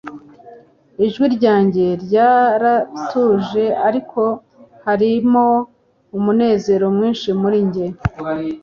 ijwi ryanjye ryaratuje ariko harimo umunezero mwinshi muri njye